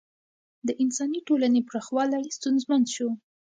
د انساني ټولنې پراخوالی ستونزمن شو.